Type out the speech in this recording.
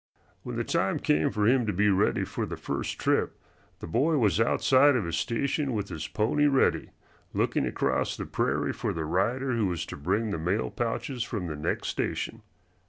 When the time came for him to be ready for the first trip the boy was outside of his station with his pony ready, looking across the prairie for the rider who was to bring the mail pouches from the next station.